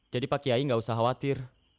jadi pak kiai gak usah khawatir